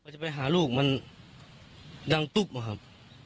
จะไปหาลูกมันดังตุ๊บอะครับ